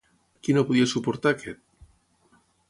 Qui no podia suportar aquest?